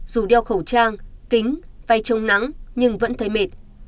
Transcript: dù đeo khẩu trang kính vai trông nắng nhưng vẫn thấy mệt